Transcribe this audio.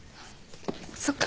そっか。